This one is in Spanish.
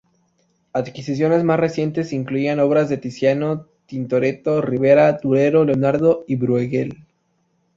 Adquisiciones más recientes incluían obras de Tiziano, Tintoretto, Ribera, Durero, Leonardo y Brueghel.